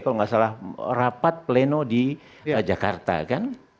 kalau nggak salah rapat pleno di jakarta kan